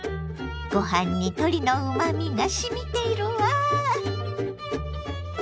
ご飯に鶏のうまみがしみているわ！